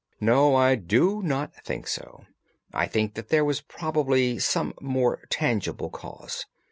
"No, I do not think so. I think that there was probably some more tangible cause.